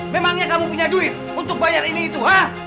memangnya kamu punya duit untuk bayar ini itu